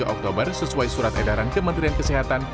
dua puluh oktober sesuai surat edaran kementerian kesehatan